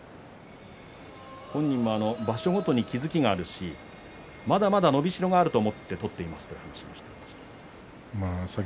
本人が場所ごとに気付きがあるしまだまだ伸びしろがあると思って取っていますと話していました。